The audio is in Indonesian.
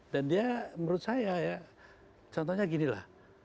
dan dia menurut saya ya contohnya ginilah